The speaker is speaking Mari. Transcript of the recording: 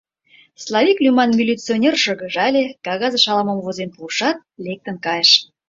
Славик лӱман милиционер шыргыжале, кагазыш ала-мом возен пуышат, лектын кайыш.